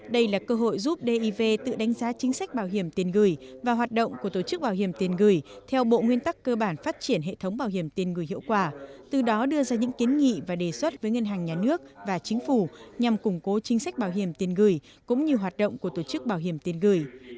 đây là cơ hội giúp div tự đánh giá chính sách bảo hiểm tiền gửi và hoạt động của tổ chức bảo hiểm tiền gửi theo bộ nguyên tắc cơ bản phát triển hệ thống bảo hiểm tiền gửi hiệu quả từ đó đưa ra những kiến nghị và đề xuất với ngân hàng nhà nước và chính phủ nhằm củng cố chính sách bảo hiểm tiền gửi cũng như hoạt động của tổ chức bảo hiểm tiền gửi